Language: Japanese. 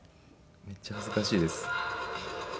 めっちゃ恥ずかしいです。